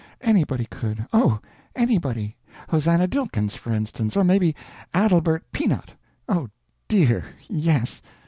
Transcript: Anybody could oh, anybody! Hosannah Dilkins, for instance! Or maybe Adelbert Peanut oh, dear yes!